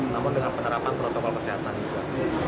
namun dengan penerapan protokol kesehatan juga